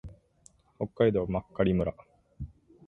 北海道真狩村